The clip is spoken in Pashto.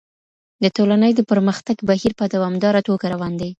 د ټولني د پرمختګ بهير په دوامداره توګه روان دی.